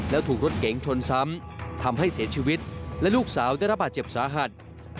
แล้วถูกรถเก๋งชนซ้ำทำให้เสียชีวิตและลูกสาวได้รับบาดเจ็บสาหัส